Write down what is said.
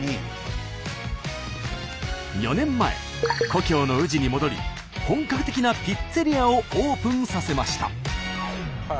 ４年前故郷の宇治に戻り本格的なピッツェリアをオープンさせました。